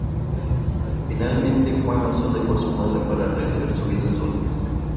Finalmente Juan Oso dejo a su madre para rehacer su vida solo.